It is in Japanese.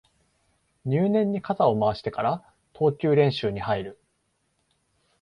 入念に肩を回してから投球練習に入る